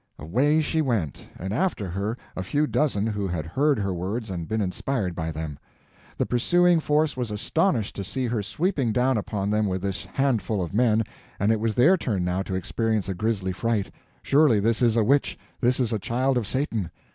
Away she went, and after her a few dozen who had heard her words and been inspired by them. The pursuing force was astonished to see her sweeping down upon them with this handful of men, and it was their turn now to experience a grisly fright—surely this is a witch, this is a child of Satan!